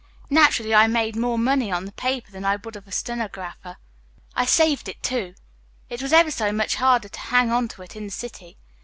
"Naturally, I made more money on the paper than I would as a stenographer. I saved it, too. It was ever so much harder to hang on to it in the city.